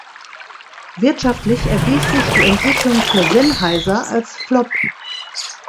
Wirtschaftlich erwies sich die Entwicklung für Sennheiser als Flop.